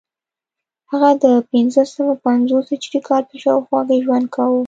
هغه د پنځه سوه پنځوس هجري کال په شاوخوا کې ژوند کاوه